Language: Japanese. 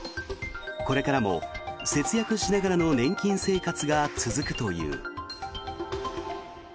これからも節約しながらの年金生活が続くという。